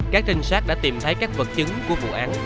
các trinh sát đã tìm thấy các vật chứng của vụ án